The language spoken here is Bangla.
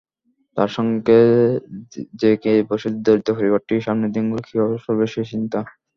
তার সঙ্গে জেঁকে বসেছে দরিদ্র পরিবারটি সামনের দিনগুলো কীভাবে চলবে, সেই চিন্তা।